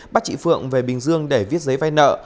bắt chị phượng về bình dương để viết giấy vay nợ